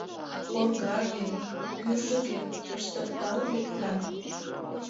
Оргажге, кӱржыге пыштыктал лекна.